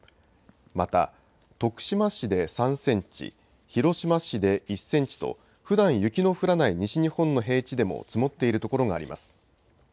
また、徳島市で３センチ、広島市で１センチと、ふだん雪の降らない西日本の平地でも積もっているところがあります。